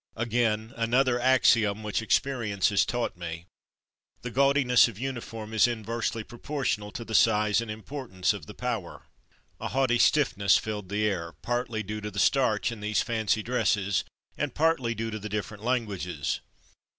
Again, another axiom which experience has taught me: "The gaudiness of uniform is inversely proportional to the size and importance of the Power." A haughty stiffness filled the air, partly due to the starch in these fancy dresses, and partly to the different languages.